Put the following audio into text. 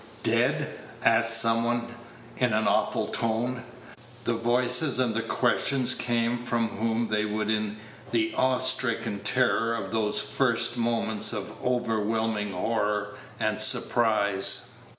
"Dead?" asked some one, in an awful tone. The voices and the questions came from whom they would in the awe stricken terror of those first moments of overwhelming horror and surprise.